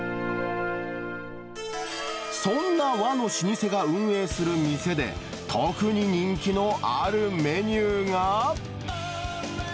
そんな和の老舗が運営する店で、特に人気のあるメニューが。